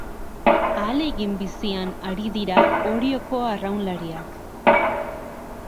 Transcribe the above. Ahalegin bizian ari dira Orioko arraunlariak.